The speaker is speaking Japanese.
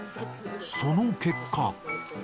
その結果。